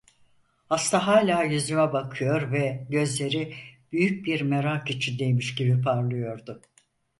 Hasta hâlâ yüzüme bakıyor ve gözleri, büyük bir merak içindeymiş gibi parlıyordu.